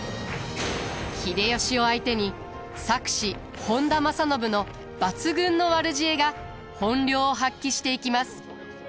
秀吉を相手に策士本多正信の抜群の悪知恵が本領を発揮していきます。